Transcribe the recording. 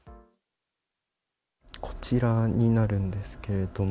こちらになるんですけれども。